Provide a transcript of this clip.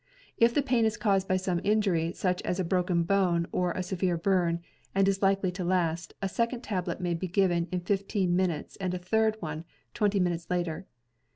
If the pain is caused by some injury, such as a broken bone or a severe burn, and is likely to last, a second tablet may be given in fifteen minutes and a third one twenty minutes later.